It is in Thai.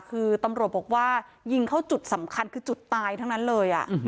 คือตำรวจบอกว่ายิงเข้าจุดสำคัญคือจุดตายทั้งนั้นเลย